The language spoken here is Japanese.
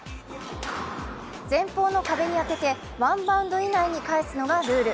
前方の壁に当ててワンバウンド以内に返すのがルール。